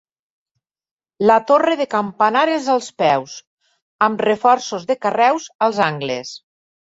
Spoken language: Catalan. La torre de campanar és als peus, amb reforços de carreus als angles.